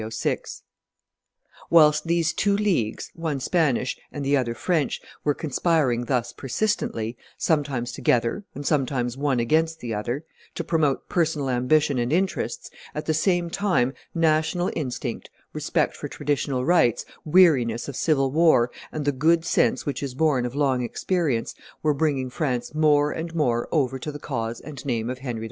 304 306.] Whilst these two Leagues, one Spanish and the other French, were conspiring thus persistently, sometimes together and sometimes one against the other, to promote personal ambition and interests, at the same time national instinct, respect for traditional rights, weariness of civil war, and the good sense which is born of long experience, were bringing France more and more over to the cause and name of Henry IV.